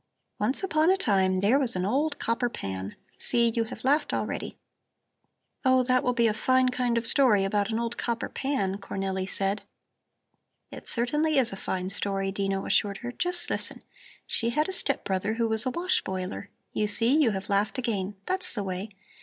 Once upon a time there was an old copper pan See, you have laughed already!" "Oh, that will be a fine kind of story about an old copper pan!" Cornelli said. "It certainly is a fine story," Dino assured her; "just listen: She had a step brother who was a wash boiler you see, you have laughed again! That's the way!